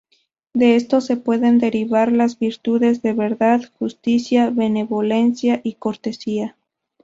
De esto se pueden derivar las virtudes de verdad, justicia, benevolencia, y cortesía.